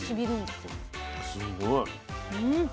すごい。